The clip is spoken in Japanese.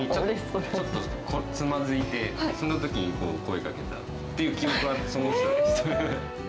ちょっとつまずいて、そのときに声かけたっていう記憶があって、その人でした。